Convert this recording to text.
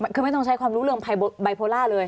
ก็ไม่ต้องใช้ความรู้เรื่องไพบิโปรลาเลย